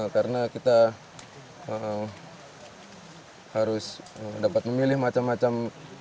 karena kita harus dapat memilih macam macam